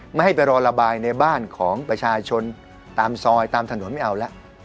ไม่ให้ไปรอระบายในบ้านของประชาชนตามซอยตามถนนไม่เอาแล้ว